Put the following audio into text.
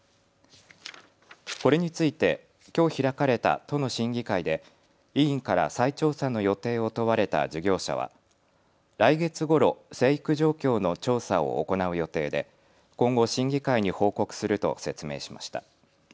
これについてきょう開かれた都の審議会で委員から再調査の予定を問われた事業者は来月ごろ生育状況の調査を行う予定で今後、審議会に報告すると説明しました。